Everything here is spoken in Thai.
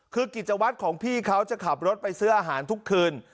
คือกิจวัตรของพี่เขาจะขับรถไปซื้ออาหารทุกคืน